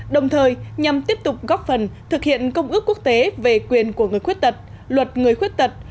đồng thời nhằm tiếp tục góp phần thực hiện công ước quốc tế về quyền của người khuyết tật luật người khuyết tật